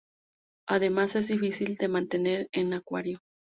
Además, es difícil de mantener en acuario.